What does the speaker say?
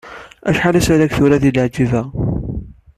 Acḥal asrag tura di Leɛǧiba?